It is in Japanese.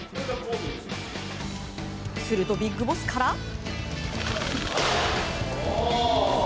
するとビッグボスから。